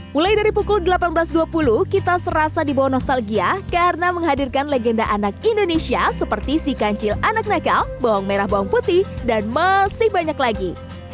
mulai dari pukul delapan belas dua puluh kita serasa dibawa nostalgia karena menghadirkan legenda anak indonesia seperti si kancil anak nakal bawang merah bawang putih dan masih banyak lagi